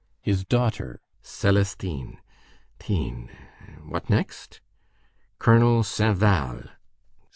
"His daughter, Célestine." "—tine. What next?" "Colonel Sainval."